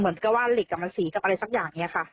เหมือนกับว่าเหล็กมันสีกับอะไรสักอย่างนี้ค่ะ